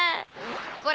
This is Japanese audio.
これ。